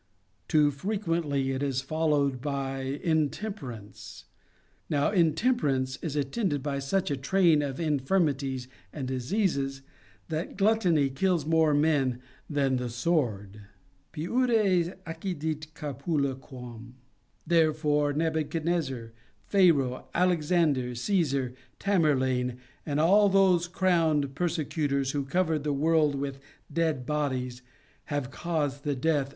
Too frequently it is followed by intemperance. Now intemper ance is attended by such a train of infirmities and diseases, that gluttony kills more men than the sword: Piures accidit crapula quam Therefore Nebuchadnezzar, Pharaoh, Alex ander, Caesar, Tamerlane, and all those crowned persecutors who covered the world with dead bodies, have caused the death of * Job xxviii.